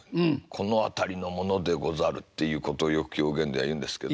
「この辺りの者でござる」っていうことをよく狂言では言うんですけど。